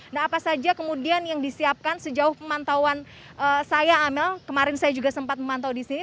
nah apa saja kemudian yang disiapkan sejauh pemantauan saya amel kemarin saya juga sempat memantau di sini